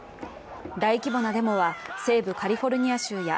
大規模なデモは西部カリフォルニア州や